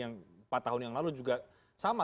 yang empat tahun yang lalu juga sama